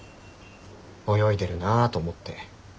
泳いでるなぁと思って。